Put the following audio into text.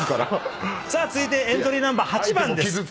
続いてエントリーナンバー８番です。